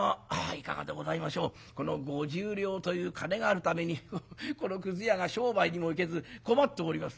いかがでございましょうこの五十両という金があるためにこのくず屋が商売にも行けず困っております。